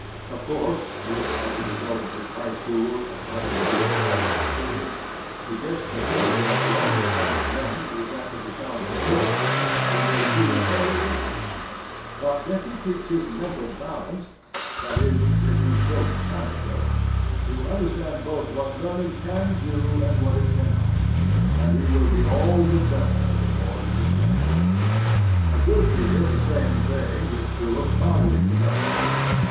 Of course, if, as a result of his high school, academy, or college experience, he gets to think ing that the only kind of learning is that to be found in books, he will do very little; but if he keeps his mental balance, — that is, if he shows character, — ^he will understand both what learning can do and what it cannot, and he will be all the better the more he can get. A good deal the same thing is true of bodily development.